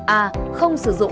a không sử dụng nội dung